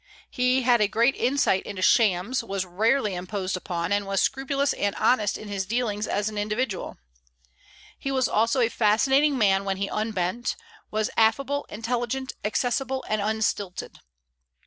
He had a great insight into shams, was rarely imposed upon, and was scrupulous and honest in his dealings as an individual. He was also a fascinating man when he unbent; was affable, intelligent, accessible, and unstilted.